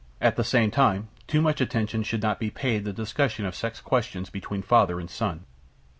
At the same time too much attention should not be paid the discussion of sex questions between father and son.